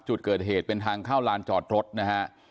จุดเกิดเหตุเป็นทางเข้าลานจอดรถนะฮะ